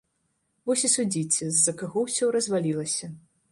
Вось і судзіце, з-за каго ўсё развалілася.